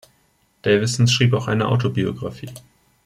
Davison schrieb auch eine Autobiographie.